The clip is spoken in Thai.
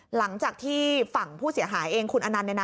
หลังจากที่ฝั่งผู้เสียหายเองคุณอนันต์